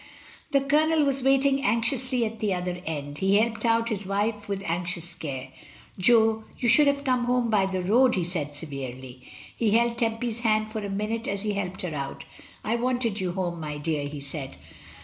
The Colonel was waiting anxiously at the other end. He helped out his wife with anxious care. "Jo, you should have come home by the road," he said severely. He held Temp/s hand for a minute as he helped her out. "I wanted you home, my dear," he said.